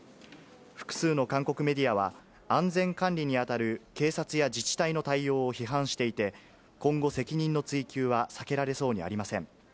複数の韓国メディアは、安全管理に当たる警察や自治体の対応を批判していて、今後、責任の追及は避けられそうにありません。